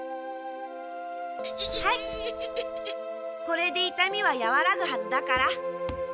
これでいたみはやわらぐはずだから。